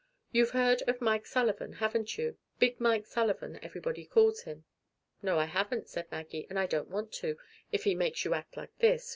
You've heard of Mike Sullivan, haven't you? 'Big Mike' Sullivan, everybody calls him." "No, I haven't," said Maggie. "And I don't want to, if he makes you act like this.